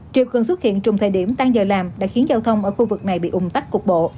triều cường xuất hiện trùng thời điểm tan giờ làm đã khiến giao thông ở khu vực này bị ủng tắc cục bộ